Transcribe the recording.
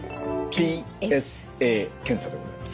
ＰＳＡ検査でございます。